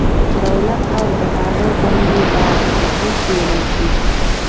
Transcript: دولت او د هغه دندې به وڅېړل شي.